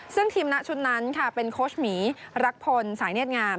ซึ่งทีมณชุดนั้นค่ะเป็นโค้ชหมีรักพลสายเนียดงาม